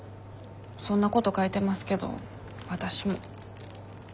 そんなこと書いてますけどわたしも。